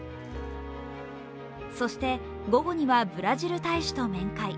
そして、午後にはブラジル大使と面会。